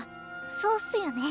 そうっすよね